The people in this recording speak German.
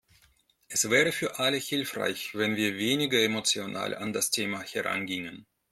Es wäre für alle hilfreich, wenn wir weniger emotional an das Thema herangingen.